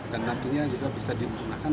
dan nantinya juga bisa dimusnahkan